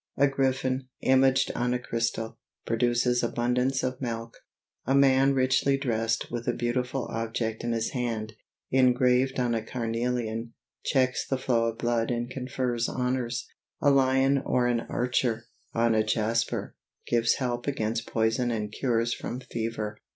A griffin, imaged on a crystal, produces abundance of milk. A man richly dressed and with a beautiful object in his hand, engraved on a carnelian, checks the flow of blood and confers honors. A lion or an archer, on a jasper, gives help against poison and cures from fever.